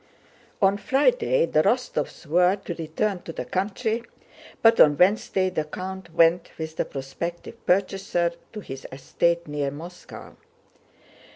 On Friday the Rostóvs were to return to the country, but on Wednesday the count went with the prospective purchaser to his estate near Moscow.